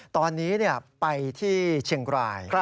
ตอนนี้ไปที่เชียงราย